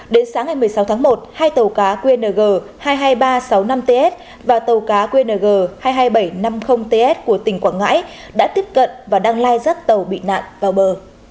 đến sáng ngày một mươi sáu tháng một hai tàu cá qng hai mươi hai nghìn ba trăm sáu mươi năm ts và tàu cá qng hai mươi hai nghìn bảy trăm năm mươi ts của tỉnh quảng ngãi đã tiếp cận và đang lai rắt tàu bị nạn vào bờ